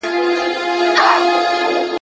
د چا دلته ډک جامونه